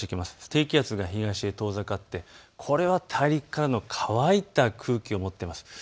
低気圧が東に遠ざかってこれは大陸からの乾いた空気を持っています。